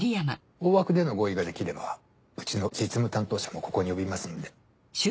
大枠での合意ができればうちの実務担当者もここに呼びますので。